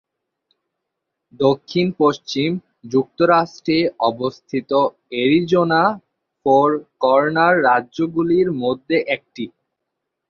দক্ষিণ-পশ্চিম যুক্তরাষ্ট্রে অবস্থিত অ্যারিজোনা ফোর কর্নার রাজ্যগুলির মধ্যে একটি।